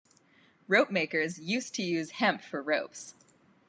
Ropemakers used to use hemp for ropes.